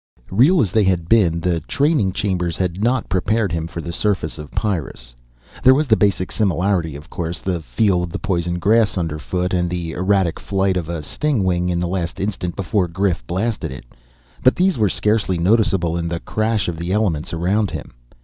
Real as they had been, the training chambers had not prepared him for the surface of Pyrrus. There was the basic similarity of course. The feel of the poison grass underfoot and the erratic flight of a stingwing in the last instant before Grif blasted it. But these were scarcely noticeable in the crash of the elements around him.